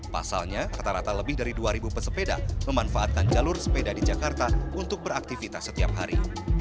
pasalnya rata rata lebih dari dua pesepeda memanfaatkan jalur sepeda di jakarta untuk beraktivitas setiap hari